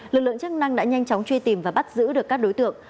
lực lượng chức năng đã nhanh chóng truy tìm và bắt giữ được các đối tượng